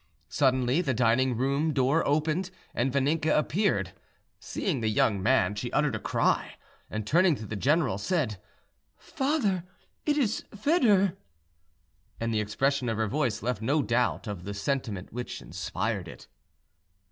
Suddenly the dining room door opened, and Vaninka appeared. Seeing the young man, she uttered a cry, and, turning to the general, said, "Father, it is Foedor"; and the expression of her voice left no doubt of the sentiment which inspired it.